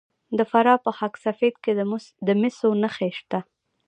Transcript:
د فراه په خاک سفید کې د مسو نښې شته.